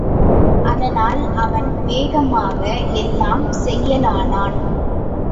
அதனால் அவன் வேகமாக எல்லாம் செய்யலானான்.